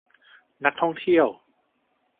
นักท่องเที่ยว